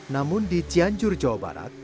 namun di cianjur jawa barat